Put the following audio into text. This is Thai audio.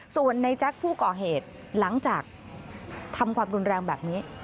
ส่วนในแจ็คผู้ก่อเหตุหลังจากทำความรุนแรงแบบนี้